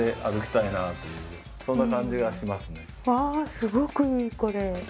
すごくいいこれ。